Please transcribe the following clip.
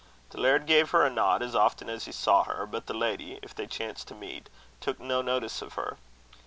The laird gave her a nod as often as he saw her; but the lady, if they chanced to meet, took no notice of her.